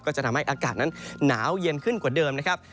จะทำให้อากาศนั้นหนาวเย็นขึ้นกว่าเดิมนะครับ